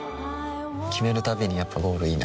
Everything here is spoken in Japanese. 決めるたびにやっぱゴールいいなってふん